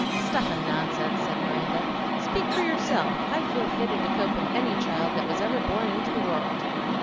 "Stuff an' nonsense!" said Miranda "Speak for yourself. I feel fitted to cope with any child that ever was born int' the world!"